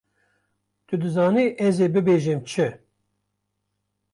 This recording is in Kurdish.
Tu dizanî ez ê bibêjim çi!